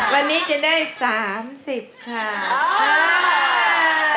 วันนี้จะได้๓๐ค่ะ